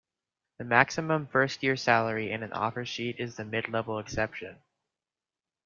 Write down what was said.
The maximum first-year salary in an offer sheet is the mid-level exception.